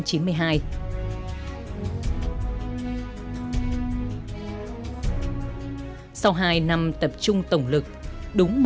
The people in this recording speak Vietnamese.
công trình đường dây năm trăm linh kv bắc nam đã hoàn thành đóng điện và đưa vào vận hành